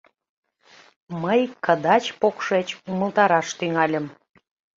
Мый кыдач-покшеч умылтараш тӱҥальым.